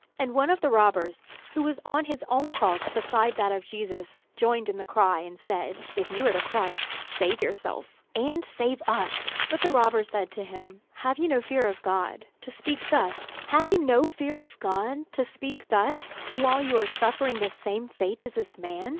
And one of the robbers, who was on his own cross beside that of Jesus, joined in the cry, and said: "If you are the Christ, save yourself and save us!" But the other robber said to him: "Have you no fear of God, to speak thus, while you are suffering the same fate with this man?